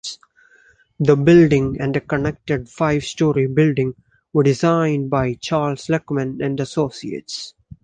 The building and a connected five-story building were designed by Charles Luckman and Associates.